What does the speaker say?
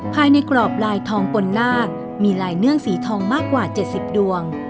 กรอบลายทองปนนาคมีลายเนื่องสีทองมากกว่า๗๐ดวง